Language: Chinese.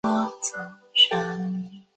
玉川站千日前线的铁路车站。